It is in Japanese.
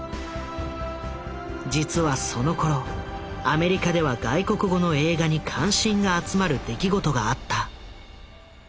実はそのころアメリカでは外国語の映画に関心が集まる出来事があった。